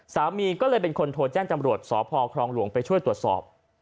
สามีก็เลยเป็นคนโทรแจ้งจำรวจสพครองหลวงไปช่วยตรวจสอบ